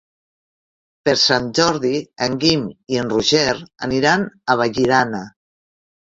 Per Sant Jordi en Guim i en Roger aniran a Vallirana.